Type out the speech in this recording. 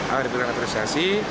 akan diberikan apresiasi